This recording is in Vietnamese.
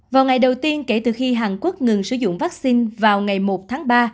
vào ngày đầu tiên kể từ khi hàn quốc ngừng sử dụng vaccine vào ngày một tháng ba